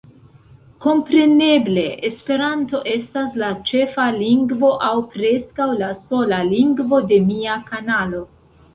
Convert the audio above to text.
Kompreneble, Esperanto estas la ĉefa lingvo aŭ preskaŭ la sola lingvo de mia kanalo.